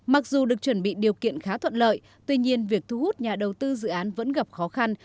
mặc dù được chuẩn bị điều kiện khá thuận lợi tuy nhiên việc thu hút nhà đầu tư dự án vẫn gặp khó khăn